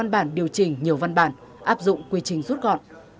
bản điều chỉnh nhiều văn bản áp dụng quy trình rút gọn